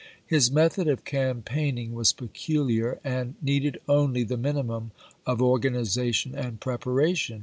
His method of campaigning was peculiar, and needed only the minimum of organization and preparation.